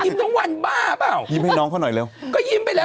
มานั่งยิ้มทั้งวันบ้าเปล่า